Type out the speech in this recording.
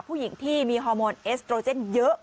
ผู้หญิงที่มีฮอร์โมนเอสโตรเจนเยอะ